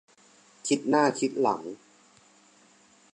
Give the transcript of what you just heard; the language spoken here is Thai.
คิดหน้าคิดหลัง